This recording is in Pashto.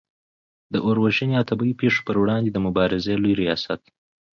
د اور وژنې او طبعې پیښو پر وړاندې د مبارزې لوي ریاست